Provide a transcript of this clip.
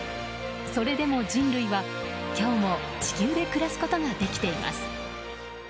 それでも人類は今日も地球で暮らすことができています。